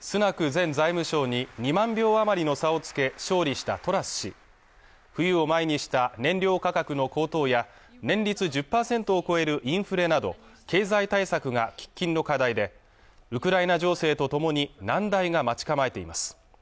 前財務省に２万票余りの差をつけ勝利したトラス氏冬を前にした燃料価格の高騰や年率１０％を超えるインフレなど経済対策が喫緊の課題でウクライナ情勢とともに難題が待ち構えています